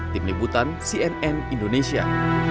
tim libutan cnn indonesia